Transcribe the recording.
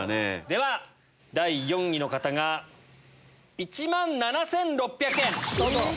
では第４位の方が１万７６００円。